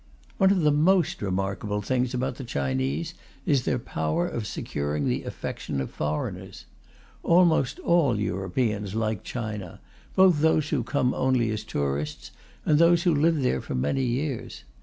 One of the most remarkable things about the Chinese is their power of securing the affection of foreigners. Almost all Europeans like China, both those who come only as tourists and those who live there for many years.